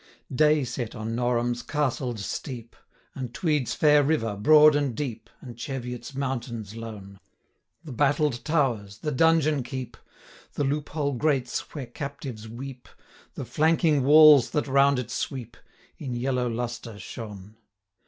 Day set on Norham's castled steep, And Tweed's fair river, broad and deep, And Cheviot's mountains lone: The battled towers, the donjon keep, The loophole grates, where captives weep, 5 The flanking walls that round it sweep, In yellow lustre shone.